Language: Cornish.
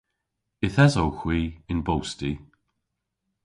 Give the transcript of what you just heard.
Yth esowgh hwi yn bosti.